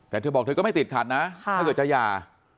แต่เธอบอกเธอก็ไม่ติดขัดนะถ้าเกิดจะหย่า